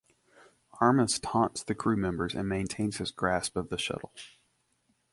Armus taunts the crew members and maintains his grasp of the shuttle.